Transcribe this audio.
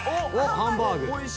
ハンバーグ。